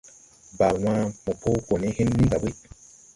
Baa wãã mo po go ne hen ni ga ɓuy.